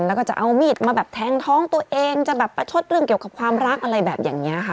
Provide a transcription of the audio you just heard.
แล้วก็จะเอามีดมาแบบแทงท้องตัวเองจะแบบประชดเรื่องเกี่ยวกับความรักอะไรแบบอย่างนี้ค่ะ